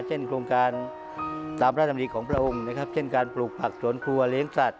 เช่นโครงการตามราธรรมดิของพระองค์เช่นการปลูกผักสวนครัวเลี้ยงสัตว์